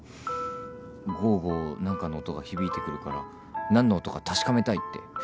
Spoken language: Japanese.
ゴォゴォ何かの音が響いてくるから何の音か確かめたいって。